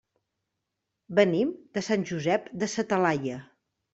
Venim de Sant Josep de sa Talaia.